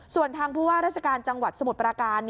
ส่วนทางผู้ว่าราชการจังหวัดสมุทรปราการ